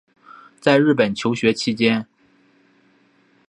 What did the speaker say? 在日本求学期间